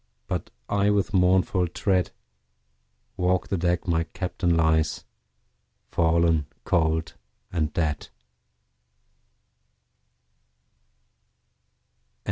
But I with mournful tread, Walk the deck my Captain lies, Fallen cold and dead.